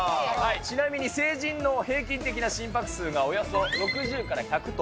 ちなみに成人の平均的な心拍数が、およそ６０から１００と。